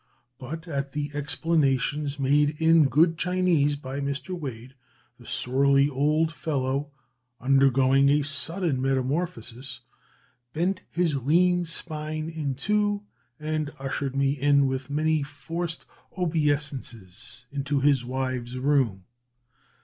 But at the explanations made in good Chinese by Mr. Wade, the surly old fellow, undergoing a sudden metamorphosis, bent his lean spine in two, and ushered me, with many forced obeisances, into his wives' room.